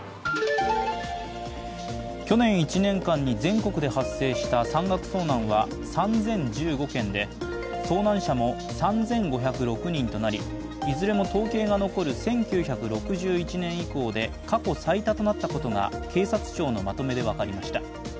去年１年間に全国で発生した山岳遭難は３０１５件で遭難者も３５０６人となり、いずれも統計が残る１９６１年以降で過去最多となったことが警察庁のまとめで分かりました。